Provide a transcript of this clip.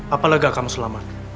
apalagi kamu selamat